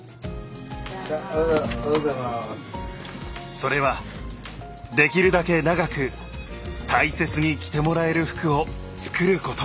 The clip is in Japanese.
それはできるだけ長く大切に着てもらえる服を作ること。